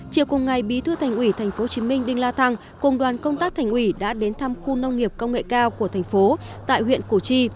chiều cùng ngày bí thư thành quỷ tp hcm đinh la thăng cùng đoàn công tác thành quỷ đã đến thăm khu nông nghiệp công nghệ cao của tp hcm tại huyện củ chi